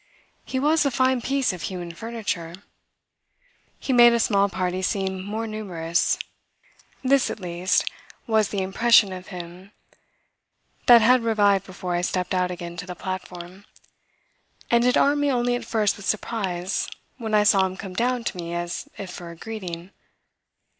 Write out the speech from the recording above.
He was a fine piece of human furniture he made a small party seem more numerous. This, at least, was the impression of him that had revived before I stepped out again to the platform, and it armed me only at first with surprise when I saw him come down to me as if for a greeting.